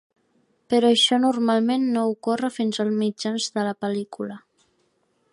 Però això normalment no ocórrer fins a mitjans de la pel·lícula.